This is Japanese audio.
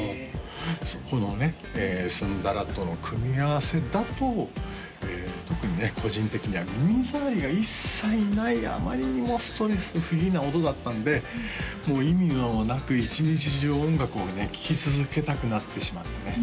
このねＳＵＮＤＡＲＡとの組み合わせだと特にね個人的には耳障りが一切ないあまりにもストレスフリーな音だったんでもう意味もなく一日中音楽をね聴き続けたくなってしまってね